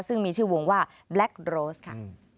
ซึ่งมีชื่อวงว่าแบล็คโรสค่ะ